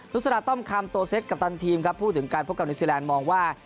ลูกสนาธรรมคามโตเซ็คกัปตันทีมครับพูดถึงการพบกับมองว่า